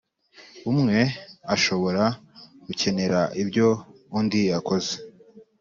umwe ashobora gukenera ibyo undi yakoze